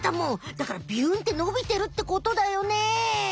だからビュンってのびてるってことだよね？